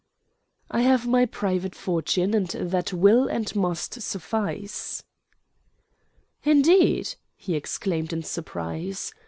"I have my private fortune, and that will and must suffice." "Indeed!" he exclaimed in surprise.